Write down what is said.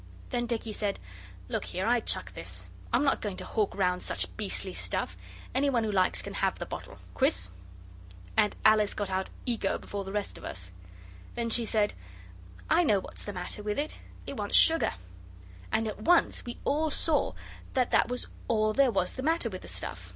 Then Dicky said: 'Look here, I chuck this. I'm not going to hawk round such beastly stuff. Any one who likes can have the bottle. Quis?' And Alice got out 'Ego' before the rest of us. Then she said, 'I know what's the matter with it. It wants sugar.' And at once we all saw that that was all there was the matter with the stuff.